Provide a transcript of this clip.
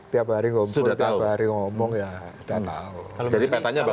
tiap hari ngumpul tiap hari ngomong ya udah tahu